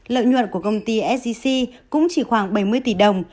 lợi nhuận của công ty sgc cũng chỉ khoảng bảy mươi tỷ đồng